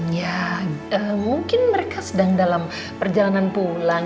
ya mungkin mereka sedang dalam perjalanan pulang